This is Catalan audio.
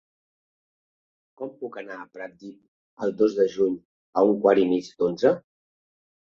Com puc anar a Pratdip el dos de juny a un quart i mig d'onze?